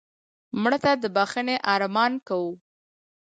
مړه ته د بښنې ارمان کوو